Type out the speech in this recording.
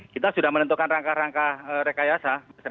kita sudah menentukan rangka rangka rekayasa